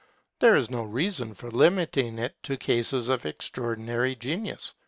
There is no reason for limiting it to cases of extraordinary genius.